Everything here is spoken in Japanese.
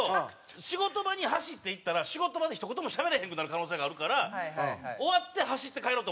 仕事場に走って行ったら仕事場でひと言もしゃべれへんくなる可能性があるから終わって走って帰ろうと思ってるんです。